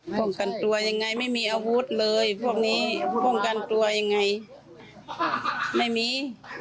ป้องกันตัวยังไงไม่มีอาวุธเลยพวกนี้ป้องกันกลัวยังไงไม่มี